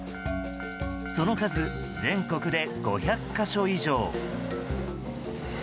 その数、全国で５００か所以上。